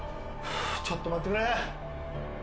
ちょっと待ってくれ。